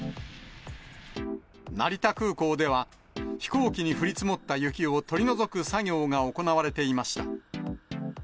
成田空港では、飛行機に降り積もった雪を取り除く作業が行われていました。